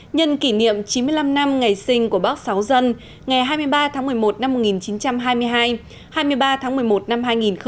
nhân kỷ niệm chín mươi năm năm ngày sinh của bác sáu dân ngày hai mươi ba tháng một mươi một năm một nghìn chín trăm hai mươi hai hai mươi ba tháng một mươi một năm hai nghìn một mươi chín